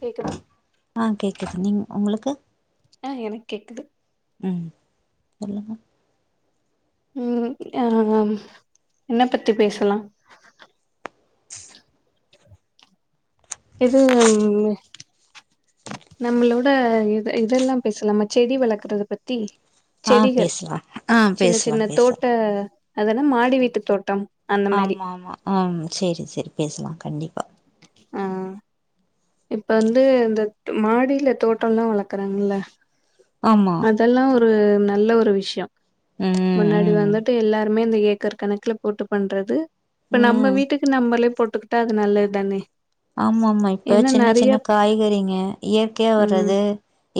கேக்குதா? ஆ கேக்குது நீங் உங்ளுக்கு ஆ எனக் கேக்குது ம் சொல்லுங்க ம் ஆ என்ன பத்தி பேசலா இது நம்மளோட இது இதெல்லா பேசலாம செடி வளக்குறத பத்தி ஆ செடிகள் பேசலா ஆ சின்ன பேசலா சின்ன பேசலா தோட்ட அதென்ன மாடி வீட்டு தோட்டம் அந்த மாரி ஆமாமா அம் சேரி சேரி பேசலா கண்டிப்பா ஆ இப்ப வந்து இந்த மாடில தோட்டொல்லா வளக்குறாங்கல்ல ஆமா அதெல்லா ஒரு நல்ல ஒரு விஷ்யோ ம் முன்னாடி ம் வந்துட்டு எல்லாருமே இந்த ஏக்கர் கணக்குல போட்டு பண்றது இப்ப நம்ம ம் வீட்டுக்கு நம்மளே போட்டுக்கிட்டா அது நல்லதுதானே ஆமாமா இப்ப சின்ன சின்ன காய்கறிங்க இயற்கையா ம் வரது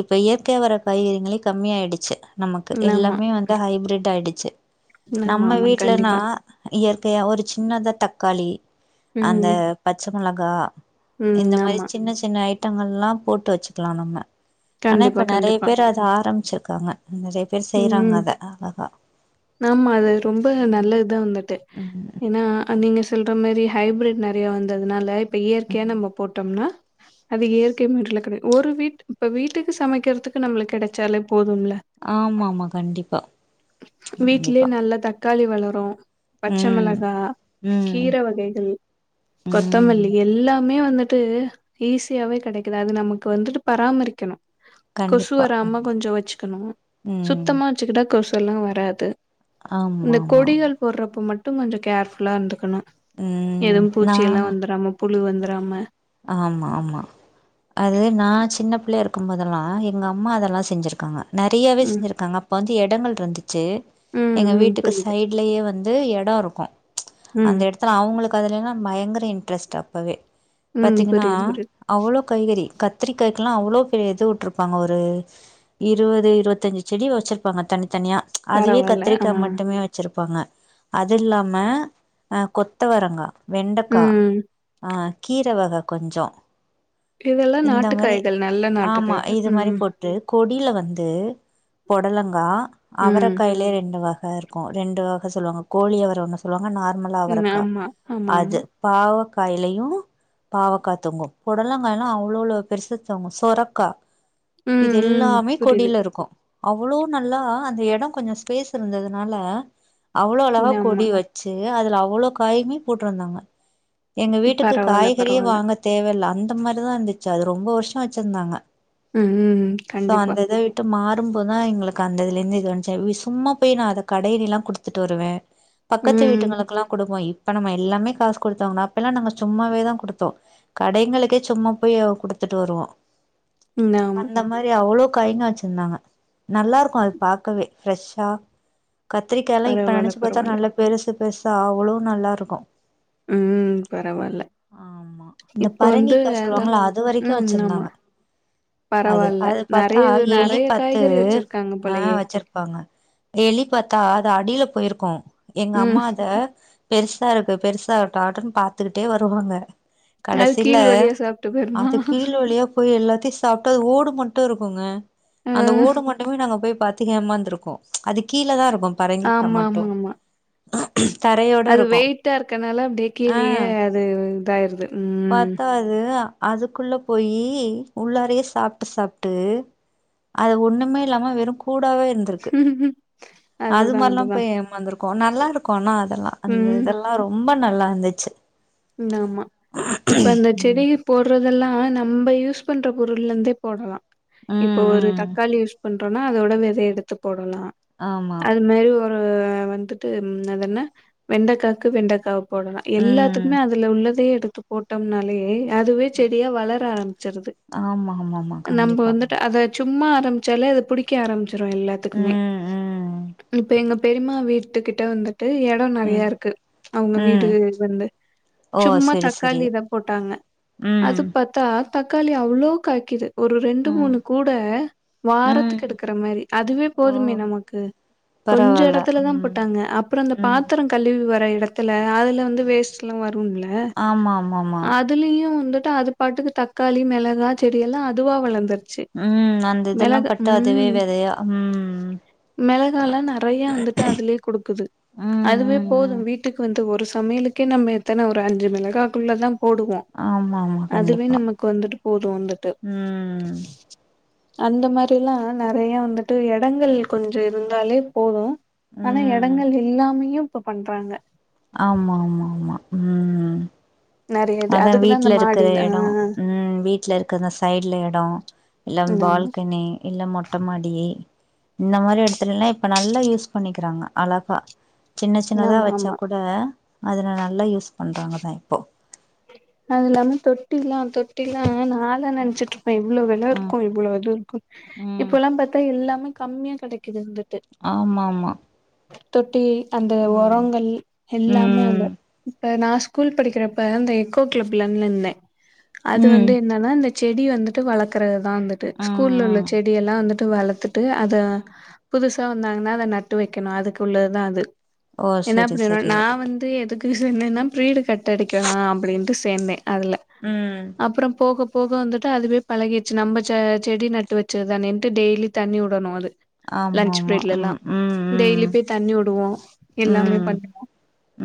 இப்ப இயற்கையா வர காய்கறிங்களே கம்மி ஆயிடுச்சு நமக்கு ஆமா எல்லாமே வந்து ஹைபிரேட் ஆயிடுச்சு ஆமா நம்ம ஆமா வீட்லனா கண்டிப்பா இயற்கையா ஒரு சின்னத தக்காளி அந்த ம் பச்ச மொளகா ம் இந்த மாரி ஆமா. சின்ன சின்ன ஐட்டங்கல்லா போட்டு வச்சுக்கலா நம்ம ஆனா கண்டிப்பா, இப்ப நெறைய கண்டிப்பா. பேர் அத ஆரம்பிச்சிருக்காங்க நிறைய பேர் செய்றாங்க ம். அத அழகா ஆமா அது ரொம்ப ம் நல்லதுதா வந்துட்டு ம் எனா அ நீங்க சொல்ற மாரி ஹைபிரிட் நெறைய வந்ததுனால இப்ப இயற்கையா நம்ம போட்டொம்னா அது இயற்கை முறைல கெடை ஒரு வீட்டு இப்ப வீட்டுக்கு சமக்கிறதுக்கு நம்ளுக் கெடச்சாலே போதும்ல ஆமாமா கண்டிப்பா வீட்லே கண்டிப்பா நல்லா தக்காளி வளரு பச்ச ம் மெளகா ம் கீர வகைகள் ம் கொத்தமல்லி எல்லா மே வந்துட்டு ஈஸியாவே கெடைக்குது அது நமக்கு வந்துட்டு பராமரிக்கனு கொசு கண்டிப்பா வராம கண்டிப்பா கொஞ்சோ வச்சுக்கனு ம் சுத்தமா வச்சுக்கிட்டா கொசு எல்லா வராது ஆமா இந்த ஆமா ஆமா கொடிகள் போட்றப்ப மட்டு கொஞ்சொ கேர்ஃபுல்லா இந்துக்கனு ம் எது நா பூச்சியெல்லா வந்துராம புழு வந்துராம ஆமா ஆமா அது நா சின்ன பிள்ளையா இருக்கும்போதெல்லா எங்க அம்மா அதெல்லா செஞ்சிருக்காங்க நெறையாவே ம் செஞ்சுருக்காங்க அப்ப வந்து எடங்கள் இருந்துச்சு ம் எங்க ம் வீட்டுக்கு புரியுது சைடு லயே வந்து எடோ இருக்கோ ம் அந்த எடத்துல அவுங்குளுக்கு அதுலல்லா பயங்கர இன்ட்ரெஸ்ட்டு அப்பவே ம் பாத்தீங்கன்னா புரியுது புரியுது அவ்ளோ காய்கறி கத்திரிக்காய்க்குல்லா அவ்ளோ பெரிய இது வுட்ருப்பாங்க ஒரு இருவது இருவத்தஞ்சு செடி வெச்சிருப்பாங்க தனித்தனியா அதுவே பரவால்ல ஆ கத்திரிக்கா மட்டுமே வெச் ச்சுருப்பாங்க அது இல்லாம அ கொத்தவரங்கா வெண்டக்கா ம் அ கீர வக கொஞ்சோ இதெல்லா இந்த நாட்டு மாரி காய்கள் நல்ல நாட்டு ஆமா காய்கள் இது மாரி ம் போட் து கொடியில வந்து பொடலங்கா ம் அவரகாய்லயே ரெண்டு வக இருக் இருக்கும் ரெண்டு வக சொல்லுவாங்க கோழி அவர ஒண்ண சொல்லுவாங்க நார்மல் ம் அவரக்கா ஆமா ஆமா அது ஆமா பாவக்காய்லயு பாவக்கா தொங்கு பொடலங்காய்லா அவ்ளோளோ பெர்சு தொங்கு சொரக்கா இது ம் ம் எல்லாமே புரியுது கொடியில இருக்கோ அவ்ளோ நல்லா அந்த எடோ கொஞ்சோ ஸ்பேஸ் இருந்ததுனால அவ்ளோ அழகா ஆமா கொடி வெச் வெச்சு அதுல அவ்ளோ காயுமே போட்ருந்தாங்க எங்க வீட்டுக்கு பரவால்ல காய்கறியே பரவால்ல வாங்க தேவல்ல அந்த மாரிதா இருந்துச்சு அது ரொம்ப வர்ஷோ வெச்சிருந்தாங்க ம் ம் சோ கண்டிப்பா அந்த இத வ மாறும்போதுதா எங்குளுக்கு அந்த இதுலேருந்து இது வந்துச்சு சும்மா போய் நா அத கடையினிலா குடுத்துட்டு வருவே பக்கத்து ம் வீட்டுங்களுக்குல்லா குடுப்போ இப்ப நம்ம எல்லாமே காசு குடுத்தோங்கன்னா அப்ப எல்லா நாங்க சும்மாவே தா குடுப் குடுத்தோ கடைங்களுக்கே சும்மா போய் குடுத்துட்டு வருவோ ஆமா அந்த மாரி அவ்ளோ காய்ங்க வெச் டுருந்தாங்க நல்லா இருக்கோ அது பாக்கவே ஃப்ரெஷ்ஷா கத்திரிக்காய்லா இப்ப பரவால்ல நெனச்சு பாத்தா பரவால்ல நல்லா பெருசு பெருசா அவ்வளோ நல்லா இருக்கோ ம் பரவால்ல ஆமா இந்த இப்ப வந்து பரங்கிக்காய் அதா சொல்லுவாங்கள அது வரைக்கோ ம் ஆமா வெச்சிருந்தாங்க அது பரவால்ல. அது பார்த்தா நெறைய வே எலி நெறைய பத்து காய்கறி வச்சிருக்காங்க ஆ போலயே! வெச்சிருப்பாங்க எலி பாத்தா அது அடியில போயிருக்கு எங்க ம். அம்மா அத பெர்சா இருக்கு பெர்சா ஆவுட்டோ ஆட்டுன்னு பாத்துக்கிட்டே வருவாங்க அது கடைசில கீழ் வழியா சாப்ட்டு போயிருமா? அது கீழ் வழியா போய் எல்லாத்தையு சாப்ட்டு அது ஓடு மட்டு இருக்குங்க அ அந்த ஓடு மட்டுமே நாங்க போய் பாத்த பாத்து ஏமாந்து இருக்கோ அது கீழேதா இருக்கோ பரங்கிக்கா ஆமா, மட்டு ஆமா, ஆமா. தரைய அது வெயிட்டா இருக்கனால அப்டியே கீழேயே அது இதாயிருது ம். பாத்தா அது அதுக்குள்ள போயி உள்ளாரயே சாப்ட்டு சாப்ட்டு அது ஒண்ணுமே இல்லாம வெறு கூடாவே இருந்திருக்கு அது அதுதான், மாரிலா அதுதான். போய் ஏமாந்திருக் இருக்கோ நல்லா இருக்கோ ஆனா அதெல்லா அந்த ம். இதெல்லா ரொம்ப நல்லா இருந்துச்சு ஆமா இப்ப அந்த செடி ம் போடுறதெல்லா நம்ம யூஸ் பண்ற பொருள்ல இருந்தே போடலா இப்போ ம் ஒரு ம் தக்காளி யூஸ் பண்றோனா அதோட வெதய எடுத்து போடலா ஆமா அது மாரி ஆ வந்துட்டு அதென்ன வெண்டைக்காக்கு வெண்டைக்காவ போடலா எல்லாத் ம் துக்குமே அதுல உள்ளதையே எடுத்து போட்டோம்னாலயே அதுவே செடியா வளர ஆரம்பிச்சிருது ஆமா ஆமா ஆமா நம்ம கண்டிப்பா வந்துட்டு கண்டி அத சும்மா ஆரம்பிச்சாலே அத புடிக்க ஆரம்பிச்சிரோ எல்லாத்துக்குமே ம் ம் இப்ப எங்க பெரிமா வீட்டுக்கிட்ட வந்துட்டு எடோ நறையா ம் இருக்கு அவுங்க வீடு ம் வந்து ஓ சும்மா செரி செரி தக்காளிதா போட்டாங்க ம் அது பாத்தா தக்காளி அவ்ளோ காய்க்குது ஒரு ரெண்டு ம் மூணு கூட வாரத்துக்கு ம் எடுக்கற மாரி அதுவே ஓ போதுமே நமக்கு கொஞ்ச பரவால்ல இடத்துல தா ம் போட்டாங்க அப்புற அந்த ம் பாத்திர கழுவி வர இடத்துல அதுல வந்து வேஸ்ட் எல்லா வருல ஆமா ஆமா ஆமா அதுலயு வந்துட்டு அது பாட்டுக்கு தக்காளி மிளகா செடி எல்லா அதுவா வளர்ந்துடு உம் அந்த இதெல்லா பட்ட அதுவே விதையா உம் மிளகாலா நெறைய வந்துட்டு அதுலயே குடுக்குது ம் அதுவே ம் போது ம் வீட்டுக்கு வந்து ஒரு சமையலுக்கே நம்ம எத்தன ஒரு அஞ்சு மிளகாக்குள்ளதா போடுவோ ஆமா ஆமா அதுவே கண்டிப்பா நமக்கு வந்துட்டு போது வந்துட்டு ம் அந்த மாரி எல்லா நெறைய வந்துட்டு இடங்கள் கொஞ்ச இருந்தாலே போது ஆனா ம் எடங்கள் இல்லாமையு இப்ப பண்றாங்க ஆமா ஆமா ஆமா ம் நெறைய இது. அதா அதுக்கு தான் அந்த வீட்டுல இருக்கிற மாடில ஆ இடோ உம் வீட்ல இருக் இருக்குன்னு சைடல இடம் இல்ல ஆமா. பால்கனி இல்ல மொட்ட மொட்டமாடி இந்த மாரி இடத்துலல்லா இப்ப நல்லா யூஸ் பண்ணிக்கிறாங்க அழகா சின்ன ஆமா வைச்சா ஆமா கூட அதுல நல்லா யூஸ் பண்றங்கதா இப்போ அது இல்லாம தொட்டில தொட்டில நாதா நினைச்சிட்டு இருப்ப இவ்வளவு விலை ம் இருக்கு இவ்வளோ இது இருக்கு ம் இப்பல்லா பார்த்தா எல்லாமே கம்மியா கிடைக்குது வந்துட்டு ஆமா ஆமா தொட்டி அந்த ம் உரங்கள் ம் எல்லாமே வந்து இப்ப நா ஸ்கூல் படிக்கிறப்ப இந்த எக்கோ கிளப்ல இருந்த அது ம் வந்து என்னனா செடிய வந்துட்டு வளர்க்கறதுதா வந்துட்டு ஸ்கூல்ல உள்ள ம் ம் செடிய எல்லா வந்துட்டு வளர்த்துட்டு வந்துட்டு அத புதுசா வந்தாங்கன்னா அத நட்டு வைக்கணு அதுக்கு உள்ளதுதா அது ஓ என்ன செரி பண்ணனு செரி நா வந்து எதுக்கு [unintelligible] பிரீடு கட்டடிக்கலா அப்படின்ட்டு சேர்ந்தே அதுல உம் அப்புற போக போக வந்துட்டு அதுவே பழகிடுச்சு நம்ப ச செடி நட்டு வச்சது தானேன்ட்டு டெய்லி தண்ணி விடணு அது ஆமா லன்ச் ஆமா பீரியட்ல எல்லா ம் ம் டெய்லி போய் தண்ணி விடுவோ ம் எல்லாமே ம் பண்ணுவோ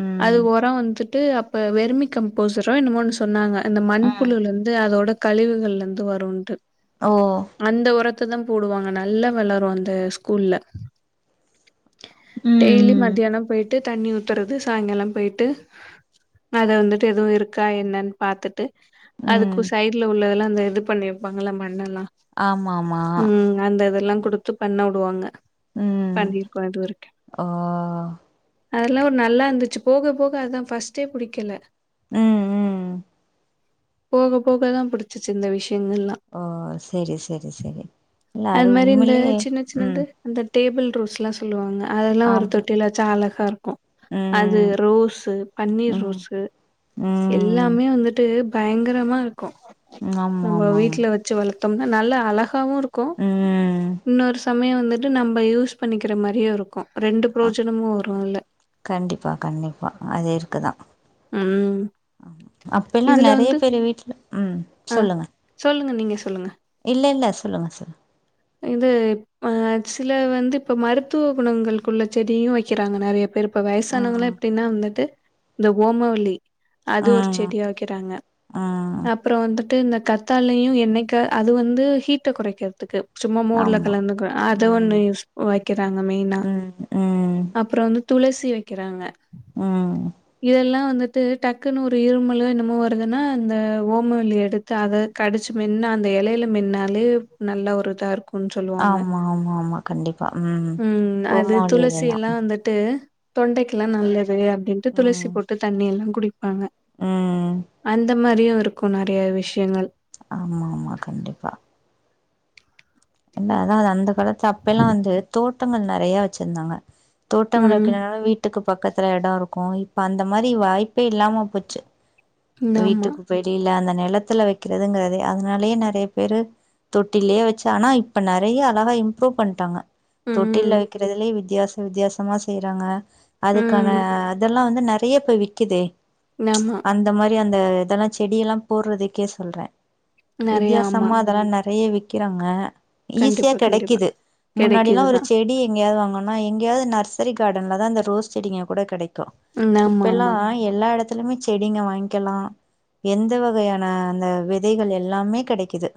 ம் அது ம் உரம் வந்துட்டு அப்ப வெறுமி கம்போஸ்ட் [unintelligible] இன்னமோன்னு சொன்னாங்க அந்த மண்புழு இருந்து அதோட கழிவுகள்ல இருந்து வரும்ன்ட்டு ஓ அந்த உரத்த தா போடுவாங்க நல்லா வளரும் அந்த ஸ்கூல்ல ம் டெய்லி ம் மத்தியானோ போயிட்டு டு தண்ணி ஊத்துறது சாய்ங்காளோ போயிட்டு அத வந்துட்டு எதுவு இருக் இருக்கா என்னன்னு பாத்துட்டு ம் அதுக்கு சைட்ல உள்ளதெல்லா அந்த இது பண்ணி வைப்பாங்கள மண்ணெ எல்லா ஆமா ஆமா உம் அந்த இதெல்லா கொடுத்து பண்ண விடுவாங்க ம் பண்ணியிருக்கோ இதுவரைக்கு ஓ அதெல்லா ஒரு நல்லா இருந்துச்சு போக போக அத ஃபர்ஸ்ட்டே புடிக்கல உம் போக போகதா புடிச்சு இந்த விஷயங்கள ஓ சேரி சேரி சேரி அது மாரி இந்த உண்மையிலயே சின்ன சின்னது உம் அந்த டேபிள் ரோஸ் எல்லா சொல்லுவாங்க அதெல்லா ஒரு ஆமா தொட்டில வச்சா அழகா இருக்கு அது ம் ரோஸு பன்னீர் ம் ரோஸு ம் எல்லாமே வந்துட்டு பயங்கரமா இருக்கு ஆமா நம்ம ஆமா ஆமா வீட்டுல வச்சு வள தம்ன நல்ல அழகாகவு இருக்கு ம் இன்னொரு சமய வந்துட் நம்ப யூஸ் பண்ணிக்கிற மரியு இருக்கு ரெண்டு பிரோஜனமு வரும் இல்ல கண்டிப்பா கண்டிப்பா ம் அப்ப எல்லா நெறைய பேரு வீட்ல ம் அ சொல்லுங்க சொல்லுங்க நீங்க சொல்லுங்க இல்ல இல்ல சொல்லுங்க சொல்லு இது இப் அ சில வந்து இப்ப மருத்துவ குணங்கள்க்குள்ள செடியு வக்கிறாங்க நறைய பேரு இப்ப வயசானவங்கள்லா ம் எப்டினா வந்துட்டு இந்த ஓமவல்லி அது ஒரு ம் செடிய வக்கிறாங்க ம் அப் அப்புறம் வந்துட்டு கத்தாழையு எண்ணைக்க அது ஹீட்ட கொறைக்கற்துக்கு சும்மா மோர்ல ஆமா கலந்துக் அத ஒன்னு ம் யூஸ் வக்கிறாங்க மெயினா ம் ம் அப்புற வந்து துளசி வக்கிறாங்க ம் இதல்லா வந்து டு டக்குன்னு ஒரு இருமலோ என்னமோ வருதுன்னா அந்த ஓமவல்லி எடுத்து அத கடிச்சு மென்னு அந்த எலையில மென்னாலே நல்லா ஒரு இதாக இருக்கு உன் சொல்லுவாங்க ஆமா ஆமா ஆமா கண்டிப்பா ம் அது துளசி பூமொழிலெல்லா எல்லா வந்துட்டு தொண்டைக்கில்லா நல்லது அப்டின்ட்டு துளசி ம் போட்டு தண்ணி எல்லா குடிப்பாங்க ம் அந்த மாரியு இருக்கு நறைய விஷ்யங்கள் ஆம்மாமா கண்டிப்பா இல்ல அதா அது அந்த காலத்து அப்ப எல்லா வந்து தோட்டங்கள் நெறையா வச்சிர்ந்தாங்க தோட்டங்கள் ம். வக்கிறனால வீட் டுக்கு பக்கத்துல எட இருக்கு இப்ப அந்த மாரி வாய்ப்பே இல்லாம போச்சு ஆமா. வீட்டுக்கு வெளில அந்த நெலத்துல வெக்கிறதுங்குறதே அதனாலயே நறைய பேரு தொட்டலே வச்சு அனாய் இப்ப நறைய அழகா இம்ப்ரூவ் பண்ட்டாங்க தொட்டில் ம். வக்கிறதுலே வித்யாசஸ் வித்யாசமா செய்றாங்க அதுக்கான ம். இதல்லா வந்து நறையப்ப விக்கிதே நம்மா இந்த மாரி அந்த இதல்லா செடியயெல்லா போற்றதுக்கே சொல்ற நெறைய ஆமா. வித்யாசமா அதல்லா நறைய விக்கிறாங்க ஈஸியா கண்டிப்பா, கண்டிப்பா. கெடைக்குது முன்னாடி எல்லா கெடைக்குது ஒரு தான். செடி எங்கேயாது வாங்கு மா எங்கேயாவது நர்சரி கார்டன்ல தா அந்த ரோஸ் செடிங்க கூட கெடைக்கு ம். ஆமா, ஆமா. இப்பெல்லாய் எல்லா எடத்துலுமே செடிங்க வாங்க்கலா எந்த வகையான அந்த விதைகள் எல்லாமே கடைக்கிது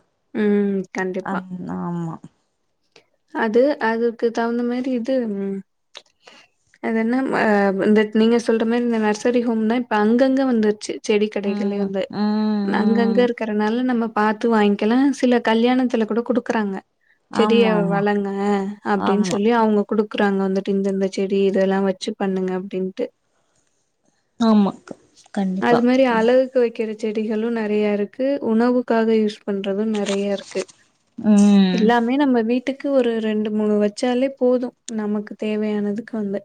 ம் கண்டிப்பா ஆம்மா அது அதுக்கு தகுந்த மாரி இது அது என்ன் அ இந்த நீங்க சொல்ற மாரி இந்த நர்சரி ஹோம் தா இப்ப அங்கங்க வந்துர்ச்சு செடி கடைகள்லயு ம் வந்து ம் நங்கங்க ம் இருக்குறனால நம்ம பாத்து வாங்க்கலா சில கல்யாணத்துல கூட குடுக்குறாங்க செடிய ஆம்மாம் வளங்க அப்டின் சொல்லி அவுங்கு குடுக்குறாங்க இந்த இந்த செடி இதெல்லா வச்சு பண்ணுங்க அப்டின்ட்டு ஆமா கண்டிப்பா அது மாரி அழ க்கு வக்கிற செடிகளு நெறையா இருக்கு உணவுக்காக யூஸ் பண்றது நெறையா இருக்கு ம் எல்லாமே நம்ம வீட் டுக்கு ஒரு ரெண்டு மூணு வச்சாலே போது நமக்கு தேவையானதுக்கு வந்து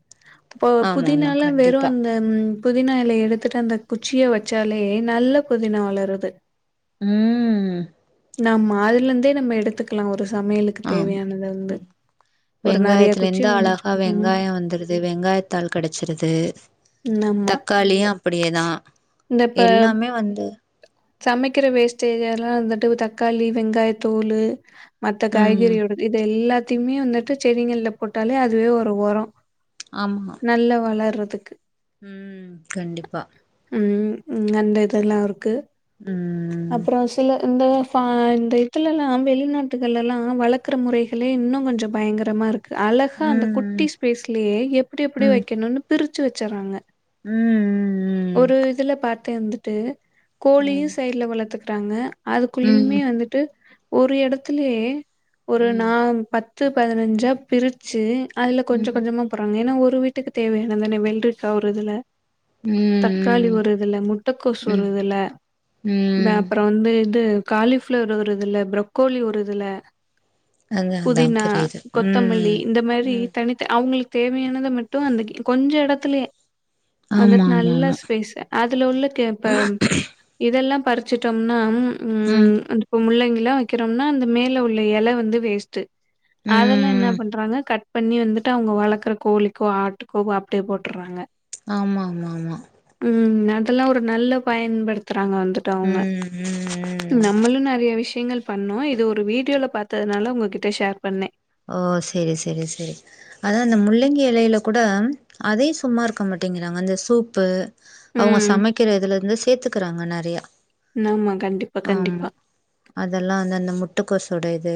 போ ஆமா ஆமா புதினால வெறு கண்டிப்பா அந்த அம் புதினா எலைய எடுத்துட்டு அந்த குச்சிய வச்சாலே நல்ல புதினா வளருது ம் நம் மாதுலருந்தே நம்ம எடுத்துக்கலா ஒரு சமையலுக் ஆம் ம் நெறைய வெங்காயத்துல குச்சி இருந்து ஒன்னு வச்சு அழகா ம் வெங்காயோ வந்துருது வெங்காயத்தாள் கெடைச்சிருது ஆமா தக்காளியு அப்டியேதா இந்த இப்ப அ வந்து சமைக்கிற வேஸ்டேஜ் எல்லா வந்துட்டு தக்காளி வெங்காயத்தோலு மத்த ம் காய்கறியோடது இது எல்லாத்தையுமே வந்துட்டு செடிகள்ல போட்டாலே அதுவே ஒரு ஒரோ ஆமா நல்லா வளர்றதுக்கு ம் கண்டிப்பா ம் ம் அந்த இதெல்லா ருக்கு ம் அப்றோ சில இந்த ஃபா இந்த இதுலல்லா வெளிநாட்டுகள் ல்லா வளக் இருக்குற முறைகளே இன்னு கொஞ்சே பயங்கரமாக இருக் கு அழகா அந்த ம் குட்டி ஸ்பேஸ்லயே எப்டி எப்டி ம் வக்கணுனு பிரிச்சு வச்சுறாங்க ம் ம் ஒரு இதுல பாத்தே வந்துட்டு கோழியு சைடுல வளத்துக்கிறாங்க அதுக்குள்ளயுமே ம் வந்துட்டு ஒரு எடத்துலயே ஒரு நா பத் து பதினஞ்சா பிரிச்சு அதுல கொஞ்ச கொஞ்சமா அப்பறோங் ஏனா ஒரு வீட்டுக்கு தேவையான தான வெள்ரிக்கா ஒரு இதுல தக்காளி ம் ஒரு இதுல முட்டக்கோசு ஒரு ம் இதுல ப்ப ம் அப்பறோ வந்து இது காலிஃப்ளவர் ஒரு இதுல ப்ரக்கோலி ஒரு இதுல அதா அதா புதினா புரியுது கொத்தமல்லி ம் இந்த மாரி ம் தனி த அவுங்களுக்கு தேவையானத மட்டு அந்த கே கொஞ்ச எடத்துலயே ஆமா வந்துட்டு ஆமா நல்ல ஆமா ஸ் பேஸ்சு அதுல உள்ள கே இப்ப இதெல்லா பறிச்சிட்டோம்னா அம் ம் அந்து இப்ப முள்ளங்கிலா வக்கிறோம்னா அந்த மேல உள்ள எலவந்து வேஸ்ட்டு அதெல்லா என்ன ம் பண்றாங்க கட் இப்ப அண்ணி வந்துட்டு அவங்க வளக்ற கோழிக்கோ ஆட்டுக்கோ அப்டியே போட்டுறாங்க ஆமாமாமா ம் அதெல்லா ஒரு நல்ல பயன்படுத்துறாங்க வந்துட்டு அவுங்க ம் ம் ம் நம்மளு நெறைய விஷயங்கள் பண்ணோ இது ஒரு வீடியோல பாத்ததுனால உங்ககிட்ட ஷேர் பண்ணே ஓ செரி செரி செரி அதா அந்த முள்ளங்கி எலையில கூட அதையு சும்மா இருக்க மாட்டேங்கிறாங்க அந்த சூப்பு அவுங்க ம் சமைக்கிறதுல இருந்து சேத்துக்கிறாங்க நெறைய நாமா கண்டிப் ஆமா அதெல்லா அந்த அந்த முட்டகோஸ் ஓட இது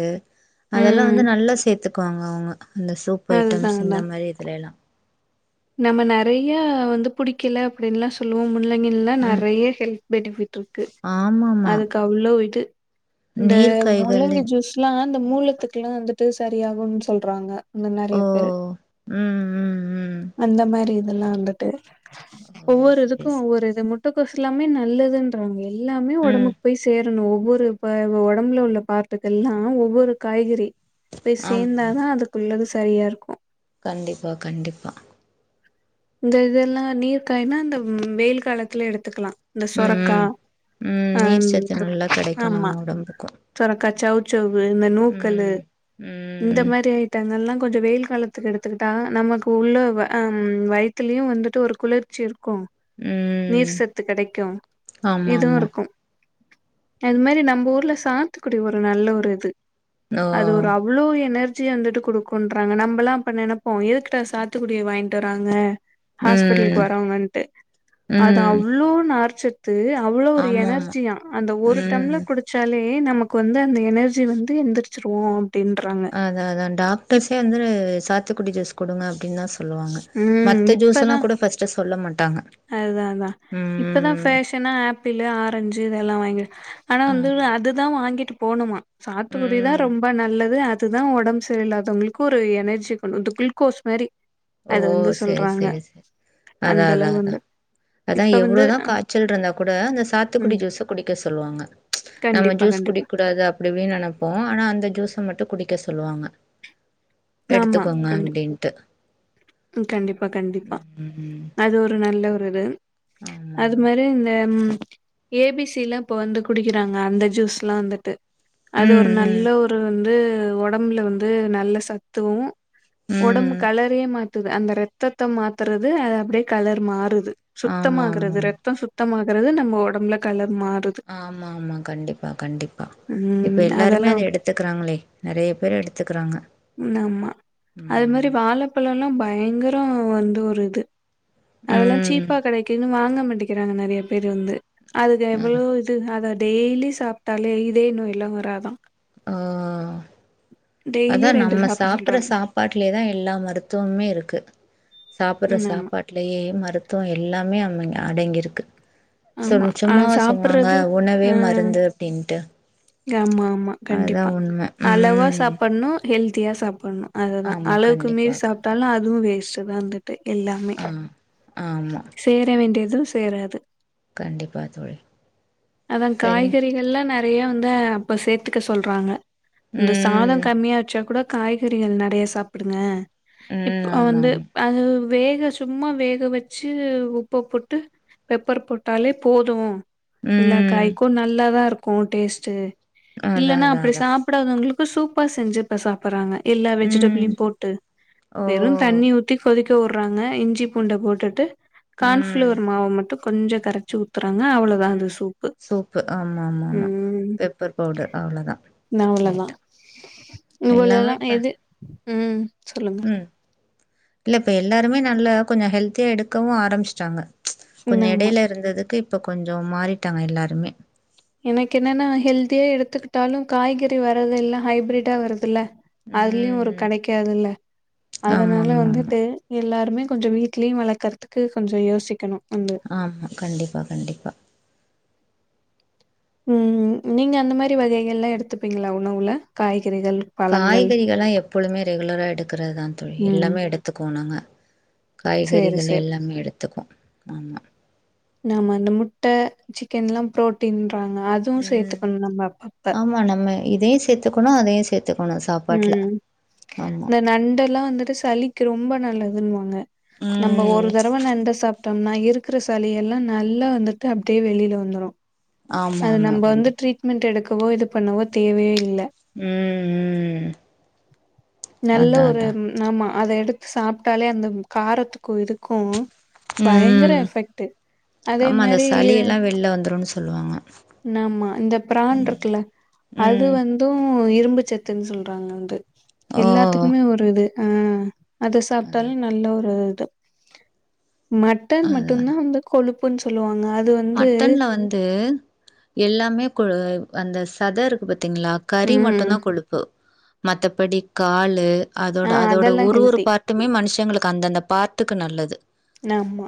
அதெல்லா ம் வந்து நல்லா சேத்து க்குவாங்க அவுங்க அந்த சூப் அதுதா ஐட்டம்ஸ் அதா இந்த மாரி இதல எல்லா நம்ம நெறைய வந்து புடிக்கல அப்டின்னுலா சொல்லுவோ முள்ளங்கில்லலா ம் நெறைய ஹெல் பெனிஃபிட் ருக்கு ஆமாமா அதுக்கு அவ்ளோ இது இந்த நீர் காய்கள் முள்ளங்கி ஜூஸ் கில்லா இந்த மூலத்துக்குலா வந்துட்டு சரியாகுன்னு சொல்றாங்க இன்னு ஓ நெறையா பேரு ம் ம் ம் அந்த மாரி இதெல்லா வந்துட்டு ஓ ஒவ்வொரு செரி இதுக்கு செரி ஒவ்வொரு இது முட் முட்டகோஸ் எல்லாமே நல்லதுன்றாங்க எல்லாமே ம் ஒடம்புக் போய் சேரணு ஒவ்வொரு இப்ப ஒடம்பல உள்ள பார்ட்டுகெல்லா ஒவ்வொரு காய்கறி போய் ஆமா சேந்தாதா அதுக்குள்ளது சரியா இருக்கு கண்டிப்பா கண்டிப்பா இந்த இதெல்லா நீர் காயினா இந்த ம் வெயில் காலத்துல எடுத்துக்கலா இந்த சொரக்கா ம் ம் நீர் அந் சத்து நல்லா ருக் கெடைக்கு ஆமா நம்ம ஒடம்புக்கு சொரக்கா சௌச்சவ்வு இந்த நூக்கல்லு ம் இந்த ம் மாரி தெனல்லா கொஞ்சோ வெயில் காலத்துக்கு எடுத்துக்கிட்டா நமக்கு உள்ள வ ஆ வயி த்துலயு வந்துட்டு ஒரு குளிர்ச்சி இருக்கு ம் நீர்சத்து கெடைக்கு ஆமா இதுவு ஆமா இருக்கு அது மாரி நம்ப ஊர்ல சாத்துக்குடி ஒரு நல்ல ஒரு இது ஓ அது ஒரு அவ்ளோ எனர்ஜி வந்துட்டு குடுக்குன்றாங்க நம்பலா அப்ப நெனைப்போ எதுக்குடா சாத்துக்குடிய வாங்கிட்டு வராங்க ஹாஸ்பிட்டலுக்கு ம் வரவங்கன்ட்டு அது ம் அவ்ளோ நார்ச்சத் து அவ்ளோ ஒரு ஆமா ஆமா எனர்ஜியா அந்த ஒரு ம் டம்லர் குடுச் சொல்லி நமக்கு வந்து அந்த எனர்ஜி வந்து எந்திரிச்சிருவோ அப்டின்றாங்க அதாதா இப் டாக்டர்ஸே வந்து சாத்துக்குடி ஜூஸ் குடுங்க அப்டின்தா சொ ல்லுவாங்க ம் மத்த ஜூஸுல்லா கூட பர்ஸ்ட்டு சொல்ல மாட்டாங்க அதுதா அதா இப்பதா ம் ஃபேஷனு ஆப்பிளு ஆரஞ்சு இதெல்லா வாங்கி ஆனா வந்து ஆமா அதுதா வாங்கிட்டு போணுமா சாத்துக்குடிதா ம் ரொம்ப நல்லது அ துதா ஒடம்பு சரி இல்லாதவங்களுக்கு ஒரு எனர்ஜி கொண் வந்து குள்கோஸ் மேரி ஓ அது வந்து செரி சொல்றாங்க செரி செரி அதா அந்த அதா அளவு வந்து அதா இப்ப வந்து எவ்ளோதா காச்சல் இருந்தா கூட அந்த சாத்துக்குடி ம். ஜூஸு குடிக்க சொல்லுவாங்க நம்ம கண்டிப்பா, ஜூஸ் கண்டிப்பா. குடிக் கூடாது அப்டி இப்டின்னு நெனப்போ ஆனா அந்த ஜூஸ மட்டு குடிக்க சொல்லுவாங்க ஆமா. எடுத்துக்கோங்க கண்டி அப்டின்ட்டு ம் கண்டிப்பா கண்டிப்பா ம் அது ஒரு நல்ல ஒரு இது அது ஆமாமா. மாரி இந்த ம் ஏபிசிலா இப்ப வந்து குடிக்கிறாங்க அந்த ஜூஸ் லா வந்துட்டு அது ஒரு ம் ம் நல்ல ஒரு வந்து ஒடம்புல வந்து நல்ல சத்தூ ஒடம்பு ம். கலரயே மாத்துது அந்த ரத்தத்த மாத்துறது அது அப்டியே கலர் மாறுது து ஆமா சுத்தமாகுறது ஆமாமா. ரத்தோ சுத்தமாகுறது நம்ம ஒடம்புல கலர் மாறுது ஆமாமா கண்டிப்பா கண்டிப்பா இப்ப ம் எல்லாருமே அதெல்லா அத எடுத் துக்கிறாங்களே நெறைய பேர் எடுத்துக்குறாங்க ந ஆம்மா அது மாரி வாழப்பழல்லா பயங்கரோ வந்து ஒரு இது அதெல்லா ம். சீப்பா கெடைக்குதுனு வாங்க மாட்டேங்கிறாங்க நெறைய பேரு வந்து அதுக்கு எவ்ளோ இ து அத டெய்லி சாப்ட்டாலே இதய நோய்லா வராதா ஆ டெய்லி அதா ரெண்டு நம்ம சாப்ட சாப்ற சொல்றாங்க சாப் சாப்பாட்லே தா எல்லா மருத்துவமே இருக்கு சாப்பிட்ற ம் ஆமா சாப்பாட் ட்லயே மருத்துவம் எல்லாமே அமைங் அடங்கிருக்கு ஆமா சொன் ஆ சும்மாவா சொல்லுவாங்க சாப்புட்றது உணவே ஆ மருந்து அப்டின்ட்டு ஆமா ஆமா அதுதா உண்ம ம் ஹெல்தியா சாப்புட்ணு அதுதா ஆமா அளவுக்கு கண்டிப்பா. மீறி சாப்டாலு அதுவு வேஸ்ட்டு தா வந்துட்டு எல்லா அ ஆம்மா சேர வேண்டிய எது சேராது கண்டிப்பா தோழி. அதன் சரிங்க. காய்கறிகள்லா ந நெறையா வந்து அப்ப சேத்துக்க சொல்றாங்க இந்த சாதோ ம். கம்மியா வச்சா கூட காய்கறிகள் நெறைய சாப்பிடுங்க ம். இப்ப வந்து ஆமாமா. அது வேக சும்மா வேக வச் ச்சு உப்ப போட்டு பெப்பர் போட்டாலே போது எல்லா ம். காய்க்கு நல்லாதா இருக்கு டேஸ்டு அதான் இல்லென்னா அதான் அப்டி அதான். சாப்டாதவங்களுக் கு சூப்பா செஞ்சு இப்ப சாப்புறாங்க எல்லா ம். வெஜிடபுளியு போட்டு ஓ! வெறு தண்ணி ஊத்தி கொதிக் க வுர்றாங்க இஞ்சி பூண்ட போட்டுட்டு ம். கான்ஃப்ளவர் மாவ மட்டு கொஞ்ச கரச்சி ஊத் த்துறாங்க அவ்வளோதா இந்த ம் சூப்பு ஆமா ஆமா ஆமா ம் பெப்பர் பவுடர் அவ்ளோதா அவ்ளோதா லைட்டா எல்லாமே இவ்ளோல்லா இப்ப எது ம் சொல்லுங் ம் இல்ல இப்ப எல்லாருமே நல்லா கொஞ்ச ஹெல்தியா எடுக்கவு ஆரம்ச்டாங்க ம் கொஞ்சோ ஆமா எடைல இருந்ததுக்கு இப்ப கொஞ்சோ மாறிட்டாங்க எல்லாருமே எனக்கென்னன்னா ஹெல்தியா எடுத்துக்கிட்டாலு காய்கறி வரது எல்லா ஹைப்ரிடா வரதுல்ல அதுலயு ஒரு ம் கெடைக்காதுல்ல ஆமா அதனால ஆமா ஆமா வந்துட்டு எல்லாருமே கொஞ்ச வீட்லயு வளக்கறதுக்கு கொஞ்ச யோசிக்கணு வந்து ஆமா கண்டிப்பா கண்டிப்பா ம் நீங்க அந்த மாரி வகைகள்லா எடுத்துப்பீங்ளா உணவுல காய்கறிகள் பழங்கள் காய்கறிகள்லா எப்பொழுமே ரெகுலரா எடுக்குறதுதா தோழி ம் எல்லாமே எடுத்துக்குவோ நாங்க சேரி காய்கறிகள் சேரி. எல்லாமே எடுத்துப்போ ஆமா நாம அந்த முட்ட சிக்கன்லா ப்ரோட்டீன்றாங்க அதுவு ம் சேத்துக்கணு நம்ம அப்பப்ப ஆமா நம்ம இதையு சேத்துக்கணு அதையு சேத் துக்கணு சாப் ம் இந்த நண்டெல்லா வந்துட்டு சளி ரொம்ப நல்லதுன்வாங்க நம்ம ஒரு ம் தடவ நண்டு சாப் டம்னா இருக்கிற சளியெல்லா நல்லா வந்துட்டு அப்டியே வெளில வந்துரும் ஆமா அது ஆமா நம்ம வந்து கண்டிப்பா ட்ரீட்மெண்ட் எடுக்கவோ இது பண்ணவோ தேவையே இல்ல ம் ம் நல்ல அதா ஒரு அதா ஆமா அத எடுத்து சாப்ட்டாலே அந்த காரத்துக்கும் இதுக்கும் பயங்கர ம் எஃபெக்ட் அதே மாரி இது வெள்ல வந்துருன்னு சொல்லுவாங்க ஆமா இந்த பிரான் இருக்குல்ல அது ம் வந்து இதுவும் இரும்பு சத்துன்னு சொல்றாங்க வந்து ஓ எல்லாத்துக்குமே ஒரு இது ஆ அது அதா சாப்ட்டாலும் நல்ல ஒரு இது மட்டன் அதா அதா மட்டுந்தா வந்து கொழுப்புன்னு சொல்லுவாங்க அது வந்து மட்டன்ல வந்து எல்லாமே கொ அந்த சத இருக்கு பாத்தீங்களா கறி ம் மட்டுந்தா கொழுப்பு மத்தபடி காலு அதோட ஆ அதோட அதெல்லா ஒரு ஒரு ஹெல்தி பார்ட் ட்டுமே மனுஷங்களுக்கு அந்தந்த பார்ட்டுக்கு நல்லது ஆமா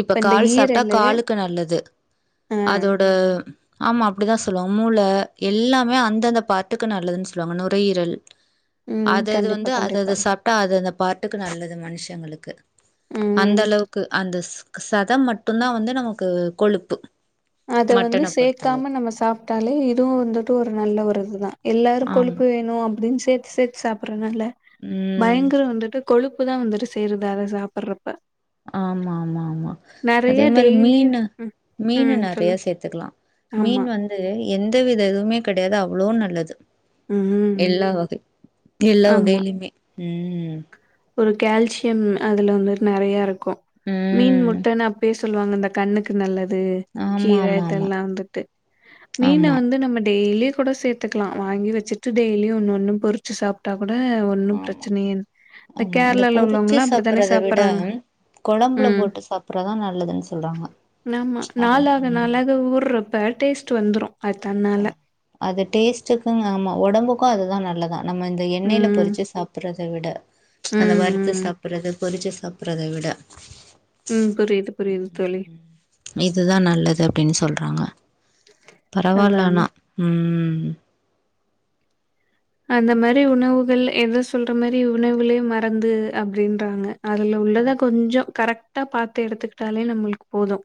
இப்ப இந்த கால் சாப்ட்டா ஈரலு காலுக்கு நல்லது ஆ அதோட ஆமா அப்டிதா சொல்லுவாங்க மூளை எல்லாமே அந்தந்த பார்ட்டுக்கு நல்லதுன் சொல்லுவாங்க நுரையீரல் ம் அதது கண்டிப்பா வந்து கண்டிப்பா அததா சாப்ப அது அந்த பார்ட்டுக்கு நல்லது மனுஷங்களுக்கு அந்த ம் அளவுக்கு அந்த சத மட்டுந்தா வந்து நமக்கு கொழுப்பு அது வந்து மட்டனை சேர்க்காம பொறுத்தளவுக்கு நம்ம சாப்ட்டாலே இதுவு வந்துட்டு ஒரு நல்ல ஒரு இதுதா எல்லாரு ஆமா கொழுப்பு வேனு அப்டின் சேத்து சேத்து சாப்றனால உம் பயங்கர வந்துட்டு கொழுப்பு தா வந்துட்டு சேறுது அத சாப்பறப்ப ஆமா ஆமா ஆமா அதே மாரி டெய்லி மீனு ம் மீனு ம் நெறைய சொல்லுங்க சேத்துக்கலா ஆமா மீன் வந்து எந்த வித இதுமே கெடையாது அவ்வளோ நல்லது ம் எல்லா வகை எல்லா ஆமா வகைலயுமே ம் ஒரு கால்சியம் அதுல வந்து நெறைய இருக்கும் மீன் ம் முட்டன்னு அப்பயே சொ இந்த கண்ணுக்கு நல்லது ஆமா கீர ஆமா ஆமா இதெல்லா வந்துட்டு மீன ஆமா வந்து நம்ம டெய்லியு கூட சேத்து த்துக்கலா வாங்கி வச்சுட்டு டெய்லியும் ஒன்னு ஒன்னு பொறிச்சு சாப்ட்டா கூட ஒன்னும் ஆமா பிரச்சனையே ஆமா இந்த பொறுச்சு சாப்பிறத விட சாப்பட்றாங்க. கொழம்புல ம். போட்டு சாப்றதுதா நல்லதுன் சொல்றாங்க அ உ இப்ப டேஸ்ட்டு வந்துரு அது அ தன்னால அது டேஸ்ட்டுக்கு ஆமா ஒடம்புக்கு அதுதா நல்லதா நம்ம எண்ணெய்யில ம். பொறிச்சு சாப்றத விட அந்த ம், வருத்து சாப் ம். சாப்ட்றது பொறிச்சு சாப்ட்றத விட உம் புரியுது புரியுது தோழி. இதுதா நல்லது அப்டின் சொல்றாங்க பரவால்ல அதுதான் ஆனா உம் அந்த மாரி உணவுகள் என்ன சொல்ற மாதிரி உணவுகளே மறந்து அப்டின்றாங்க அதுல உள்ளதா ஆமா கொஞ்சோ கரெக்டா பாத்து எடுத்துக்கிட்டாலே நம்மளுக்கு போது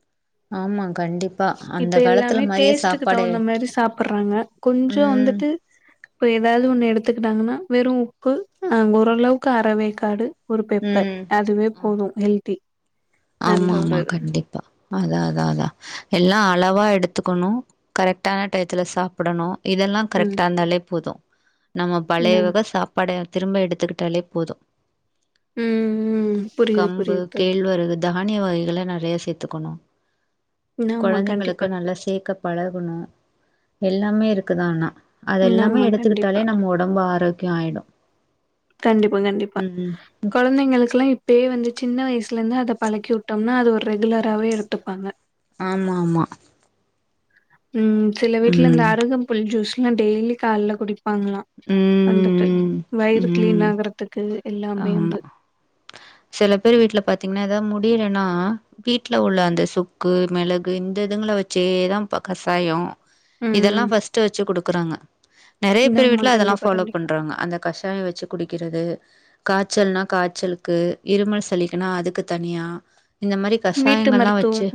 ஆமா கண்டிப்பா. அந்த இப்ப காலத்துல எல்லாமே மாரியே டேஸ்டுக்கு சாப்பாடு தகுந்த மாதிரி சாப்பிடுறாங்க கொஞ்சோ ம், வந்துட்டு இப்ப ஏதாவது ஒன்னு எடுத்துக்கிட்டாங்கன்னா வெறு உப்பு அங்க ஓரளவுக்கு அறவேக்காடு ஒரு பெப்பர் ம். அதுவே போது ஹெல்தி நல்ல ஆமா ஆமா ஒரு இது. கண்டிப்பா அதா அதா அதா எல்லா அளவா எடுத்துக்கனு கரெக்ட்டான டயத்துல சாப்டனு இதெல்லா ம். கரெக்டா இருந்தாலே போது நம்ம என்ன பழைய வக சாப்ப பாட திரும்ப எடுத்துக்கிட்டாலே போது ம், ம். புரியுது, கம்பு புரியுது தோழி. கேழ்வரகு தானிய வகைகள நெறய சேத்துக்கனு ஆமா கொழந்தைங்களுக்கு கண்டிப்பா. நல்லா சேக்க பழகனு எல்லாமே இருக்குது ஆனா அதெல்லாமே ஆமா எடுத்துக்கிட்டாலே கண்டிப்பா. நம்ம ஒடம்பு ஆரோக்கிய ஆயிடு கண்டிப்பா கண்டிப்பா கொழந்தைங்களுக்கெல்லா இப்பயே வந்து சின்ன வயசுல இருந்து அத பழக்கி விட்டோம்னா அது ஒரு ரெகுலராவே எடுத்துப்பாங்க ஆமா ஆமா உம் சில வீட்டு்ல இந்த ம் அருகம்புல் ஜூஸ்ல்லா டெய்லி காலேல குடி ப்பாங்களா வந்துட்டு ம் வயிறு கிளீன் ம் ஆகுறதுக்கு எல்லாமே வந்து செல பேர் வீட்டுல பாத்தீங்கன்னா ஏதாவது முடியலன்னா வீட்ல உள்ள அந்த சுக்கு மிளகு இந்த இதுங்க வச்சேதாப்பா கசாயோ இதெல்லா ம் ஃபஸ்ட்டு வச்சு குடுக்குறாங்க நெறய பேர் ஆமா வீட்டுல அதெல்லா கண்டிப்பா ஃபாலோ கண்டிப்பா பண்றாங்க அந்த கஷாய வச்சு குடிக்குறது காய்ச்சல்னா காய்ச்சலுக்கு இருமல் சலிக்கனா அதுக்கு தனியா இந்த மாரி வீட்டு கஷாயங்கள்ல்லா மருத்துவம் வச்சு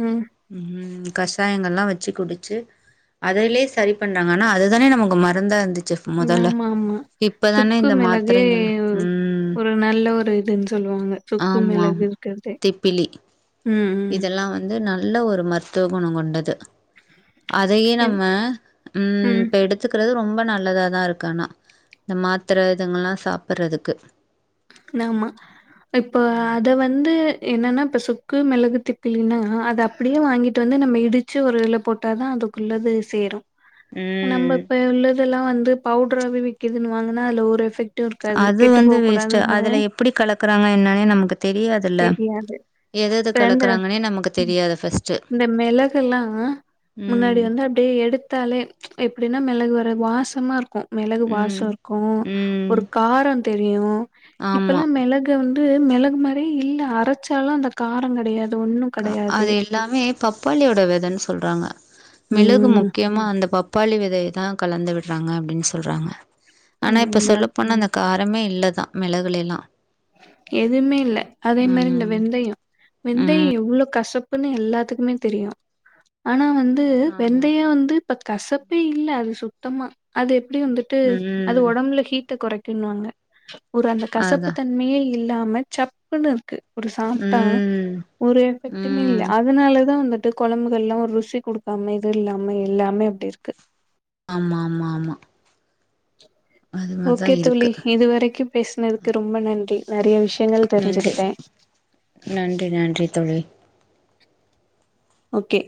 ம் ம் கஷாயங்கள்ல்லா வச்சு குடிச்சு அதுலயே சரி பண்றாங்க ஆனா அதுதானே நமக்கு மருந்தா இருந்துச்சு மொதல்ல ஆமா ஆமா இப்பதானே சுக்கு இந்த மிளகே மாத்திரைங்கள்லா ம் ஒரு நல்ல ஒரு இதுன்னு சொல்லுவாங்க சுக்கு ஆமாம் மிளகு இருக்கிறதே திப்பிலி ம் ம் இதெல்ல வந் வந்து நல்ல மருத்துவ குணம் கொண்டது அதையே என் நம்ம ம் இப்ப எடுத் த்துகிறது ரொம்ப நல்லதா தா இருக்கு ஆனா இந்த மாத்திர இதுங்கலா சாப்ட்றதுக்கு ஆமா இப்போ ம் அத வந்து என்னன்னா இப்ப சுக்கு மெளகு திப்பிலின்னா அத அப்டியே வாங்கிட்டு வந்து நம்ம இடிச் வச்சு ஒரு இதுல போட்டா தா அதுக்குள்ளது சேரு நம்ம ம். இப்ப உள்ளதெல்லா வந்து பவுடறாவே விக்குதுன் வாங்குன்னா அதுல ஒரு எஃபெக்ட் டு இருக்காது அது கெட்டு வந்து போக கூடாது வேஸ்ட்டு. அதுல எப்படி கலக்குறாங்க என்னானே நமக்கு தெரியாதுல்ல நன்றி எத எது கலக்குறாங்கன்னே நமக்கு தெரியாது ஃபஸ்ட்டு இந்த உம் அப்டியே எடுத்தாலே எப்டின்னா மெளகு ஒரு வாசமா இருக்கு மெளகு வாச ம். இருக்கு ம். ஒரு கார தெரியு ஆமா. இப்பல்லா மெளகு இதுல வந்து மெளகு மாறியே இல்ல அரைச்சாலு அந்த கார கெடையாது ஒன்னு கா அது எல்லாமே பப்பாளியோட வெதன்னு சொல்றாங்க மெளகு ம் முக்கிய மா அந்த பப்பாளி வெதைய தா கலந்து விடுறாங்க அப்டின்னு சொல்றாங்க ஆனா இப்ப ம் சொல்லப்போனா அந்த காரமே இல்ல தா மெளகுலெல்லா எதுவுமே இல்ல அதே மாரி இந்த ம் வெந்தயோ வெந்தயோ ம் எவ்ளோ கசப் புன்னு எல்லாத்துக்குமே தெரியு ஆனா வந்து ஆமா வெந்தையோ வந்து இப்ப கசப்பே இல்ல அது சுத்தமா அது எப்டி வந்துட் ட்டு அது ம் ஒடம்புல ஹீட்ட கொறைக்குனுவாங்க ஒரு அந்த கசப்பு அதா ண்மே இல்லாம சப்புன்னு இருக்கு ஒரு சாப்ட்டா ம் ஒரு எஃபெக்ட்டுமே இல்ல ம் அதனால தா வந்துட்டு கொழம்புகள்லா ஒரு ருசி குடுக்காம இது இல்லாம எல்லாமே அப்டி இருக்கு ஆமா ஆமா ஆமா அது மாரிதா ஓகே தோழி இருக்கு இதுவரைக்கு பேசுனதுக்கு ரொம்ப நன்றி நெறைய விஷ்யங்கள் நன்றி தெரிஞ்சுகிட்டே நன்றி நன்றி தோழி ஓகே